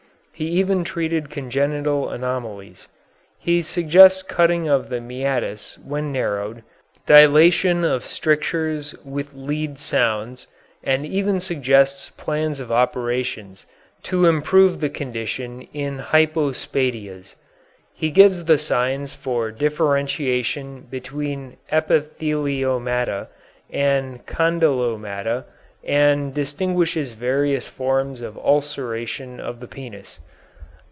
He even treated congenital anomalies. He suggests cutting of the meatus when narrowed, dilatation of strictures with lead sounds, and even suggests plans of operations to improve the condition in hypospadias. He gives the signs for differentiation between epitheliomata and condylomata, and distinguishes various forms of ulceration of the penis.